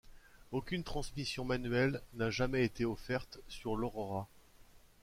Aucune transmission manuelle n'a jamais été offerte sur l'Aurora.